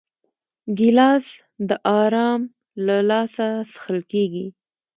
ګیلاس د آرام له لاسه څښل کېږي.